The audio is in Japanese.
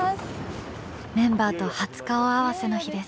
メンバーと初顔合わせの日です。